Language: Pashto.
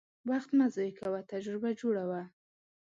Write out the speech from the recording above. وخت مه ضایع کوه، تجربه جوړه وه.